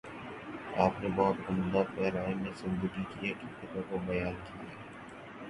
آپ نے بہت عمدہ پیراۓ میں زندگی کی حقیقتوں کو بیان کیا ہے۔